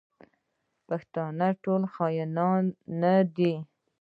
پښتانه ټول خاینان نه دي.